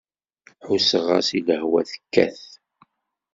Ḥusseɣ-as i lehwa tekkat.